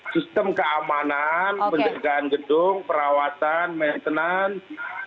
sistem keamanan penjagaan gedung perawatan maintenance